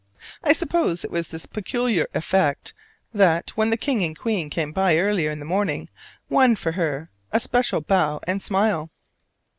I suppose it was this peculiar effect that, when the King and Queen came by earlier in the morning, won for her a special bow and smile.